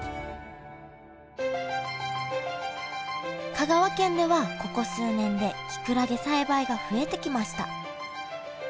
香川県ではここ数年できくらげ栽培が増えてきました